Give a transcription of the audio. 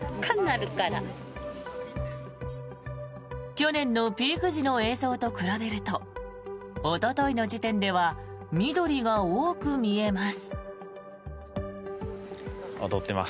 去年のピーク時の映像と比べると、おとといの時点では緑が多く見えます。